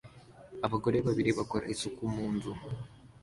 Abagore babiri bakora isuku mu nzu